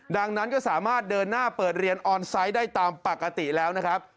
ดังนั้นก็สามารถเดินหน้าเปิดเรียนออนไซต์ได้ตามปกติแล้วนะครับ